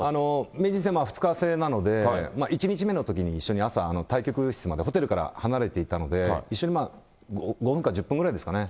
名人戦２日制なので、１日目のときに一緒に朝、対局室まで、ホテルから離れていたので、一緒に５分か１０分ぐらいですかね。